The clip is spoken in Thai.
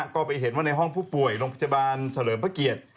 ก็ไปเห็นว่าในห้องผู้ป่วยโรงพยาบาลเฉลิมพระเกียรติ